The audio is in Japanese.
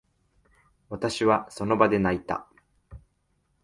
私は、その場で泣いた。